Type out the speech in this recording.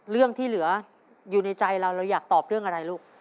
เรื่องที่เหลืออยู่ในใจเราเราอยากตอบเรื่องอะไรลูก